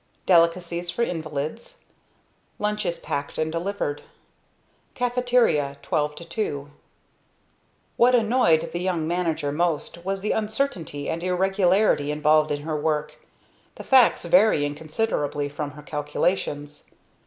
Delicacies for invalids. Lunches packed and delivered. Caffeteria... 12 to 2 What annoyed the young manager most was the uncertainty and irregularity involved in her work, the facts varying considerably from her calculations.